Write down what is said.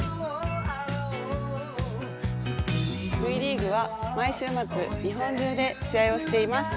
Ｖリーグは毎週末、日本中で試合をしています。